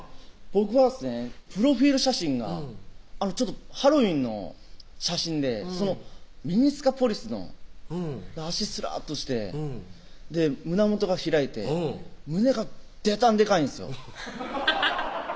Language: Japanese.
僕はですねプロフィール写真がハロウィーンの写真でミニスカポリスの脚スラーッとして胸元が開いて胸がでたんデカいんですよ